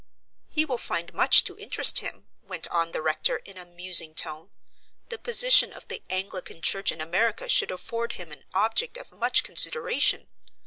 "He will find much to interest him," went on the rector in a musing tone. "The position of the Anglican Church in America should afford him an object of much consideration.